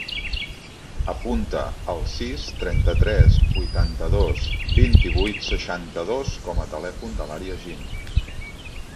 Apunta el sis, trenta-tres, vuitanta-dos, vint-i-vuit, seixanta-dos com a telèfon de l'Ària Jin.